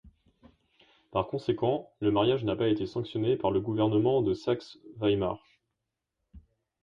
Par conséquent, le mariage n'a pas été sanctionné par le gouvernement de Saxe-Weimar.